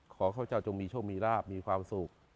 ขอข้าพเจ้าจงมีช่วงมีราบมีความสุข